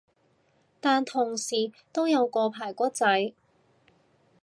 但同時都有個排骨仔